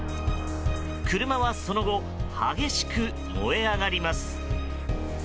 車はその後激しく燃え上がります。